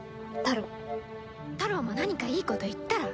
タロウも何かいいこと言ったら？